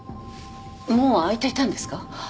門は開いていたんですか？